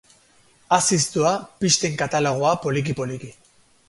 Haziz doa pisten katalogoa poliki-poliki.